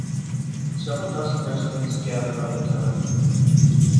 Several dozen residents gathered on the town green.